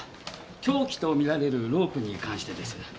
凶器と見られるロープに関してです。